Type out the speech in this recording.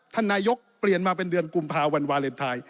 ท่านนายกเปลี่ยนมาเป็นเดือนกุมภาวันวาเลนไทย